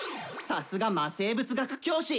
さすが魔生物学教師！